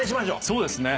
そうですね。